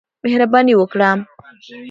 مهرباني وکړه.